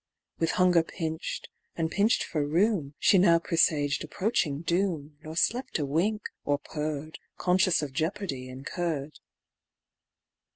With hunger pinch'd, and pinch'd for room, She now presaged approaching doom, Nor slept a single wink, or purr'd, Conscious of jeopardy incurr'd.